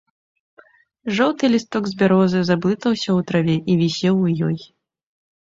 Жоўты лісток з бярозы заблытаўся ў траве і вісеў у ёй.